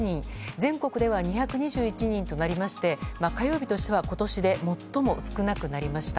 全国では２２１人となりまして火曜日としては今年で最も少なくなりました。